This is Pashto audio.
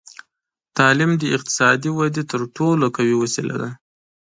تعلیم د اقتصادي ودې تر ټولو قوي وسیله ده.